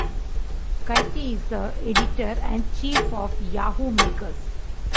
Katie is the Editor and Chief of Yahoo Makers.